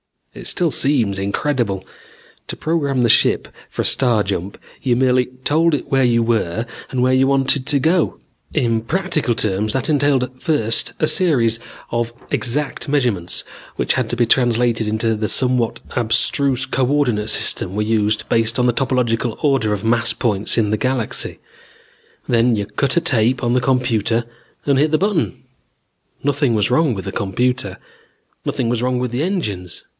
"It still seems incredible. To program the ship for a star jump, you merely told it where you were and where you wanted to go. In practical terms, that entailed first a series of exact measurements which had to be translated into the somewhat abstruse co ordinate system we used based on the topological order of mass points in the galaxy. Then you cut a tape on the computer and hit the button. Nothing was wrong with the computer. Nothing was wrong with the engines.